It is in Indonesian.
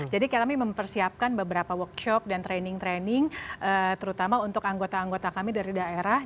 jadi kami mempersiapkan beberapa workshop dan training training terutama untuk anggota anggota kami dari daerah